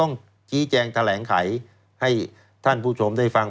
ชี้แจงแถลงไขให้ท่านผู้ชมได้ฟัง